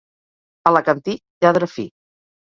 Alacantí, lladre fi.